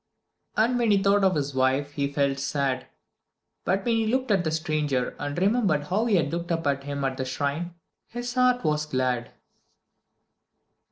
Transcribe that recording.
And when he thought of his wife he felt sad; but when he looked at the stranger and remembered how he had looked up at him at the shrine, his heart was glad.